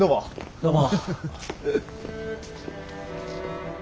どうも。